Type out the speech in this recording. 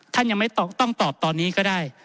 ท่านยังไม่ต้องตอบตอนนี้ก็ได้